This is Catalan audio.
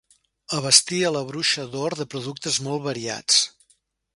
Abastia la Bruixa d'Or de productes molt variats.